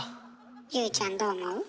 ＹＯＵちゃんどう思う？